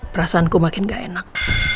perasaanku makin nggak enak